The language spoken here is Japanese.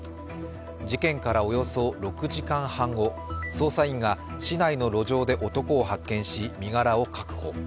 事件からおよそ６時間半後、捜査員が市内の路上で男を発見し身柄を確保。